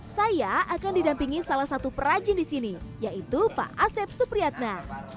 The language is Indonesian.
saya akan didampingi salah satu perajin di sini yaitu pak asep supriyatna